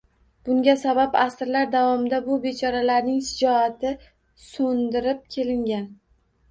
Bunga sabab asrlar davomida bu bechoralarning shijoati so‘ndirib kelingan.